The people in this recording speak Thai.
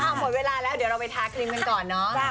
หมดเวลาแล้วเดี๋ยวเราไปทาครีมกันก่อนเนอะ